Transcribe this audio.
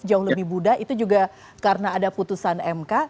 jauh lebih mudah itu juga karena ada putusan mk